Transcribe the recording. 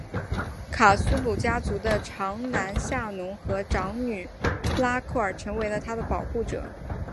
卡苏鲁家族的长男夏农和长女拉蔻儿更成为了她的保护者。